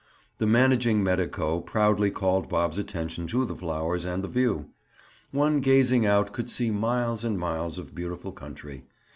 The managing medico proudly called Bob's attention to the flowers and the view. One gazing out could see miles and miles of beautiful country.